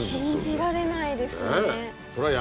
信じられないですね。